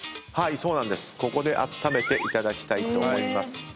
ここであっためていただきたいと思います。